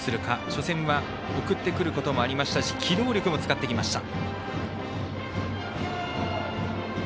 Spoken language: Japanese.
初戦は送ってくることもありましたし機動力もつかってきました。